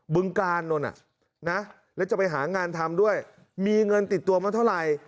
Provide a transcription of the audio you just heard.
ึงกาลนแล้วจะไปหางานทำด้วยมีเงินติดตัวมาเท่าไหร่